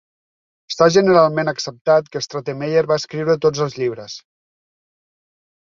Està generalment acceptat que Stratemeyer va escriure tots els llibres.